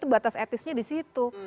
batas etisnya disitu